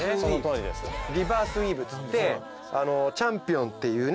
リバースウィーブっつってチャンピオンっていうね